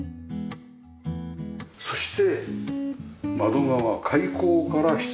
そして窓側開口から室内を。